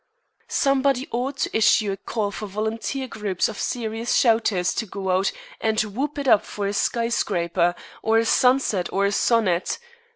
Somebody ought to issue a call for volunteer groups of serious shouters to go out and whoop it up for a skyscraper, or a sunset or a sonnet.